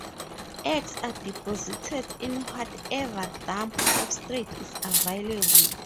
Eggs are deposited in whatever damp substrate is available.